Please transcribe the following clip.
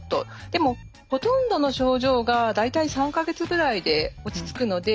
でもほとんどの症状が大体３か月ぐらいで落ち着くので。